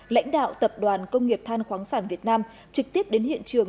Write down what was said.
lãnh đạo tập đoàn công nghiệp than khoáng sản việt nam trực tiếp đến hiện trường